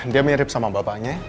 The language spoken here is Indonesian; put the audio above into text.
dia mirip sama bapaknya